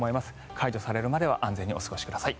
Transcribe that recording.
解除されるまでは安全にお過ごしください。